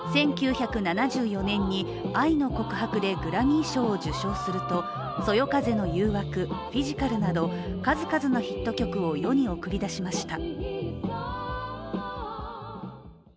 １９７４年に「愛の告白」でグラミー賞を受賞すると「そよ風の誘惑」、「フィジカル」など数々のヒット曲を世に送り出しました。